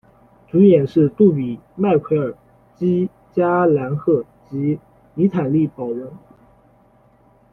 主演是杜比·麦奎尔、积·佳兰贺和妮妲莉·宝雯。